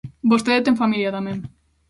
Vostede ten familia tamén.